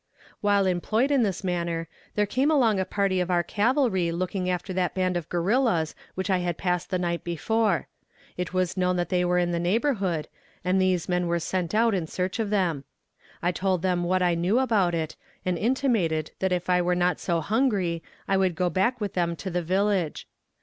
While employed in this manner, there came along a party of our cavalry looking after that band of guerrillas which I had passed the night before. It was known that they were in the neighborhood, and these men were sent out in search of them. I told them what I knew about it, and intimated that if I were not so hungry, I would go back with them to the village.